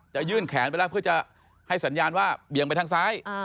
ยื่นแขนไปแล้วเพื่อจะให้สัญญาณว่าเบี่ยงไปทางซ้าย